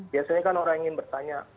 biasanya kan orang ingin bertanya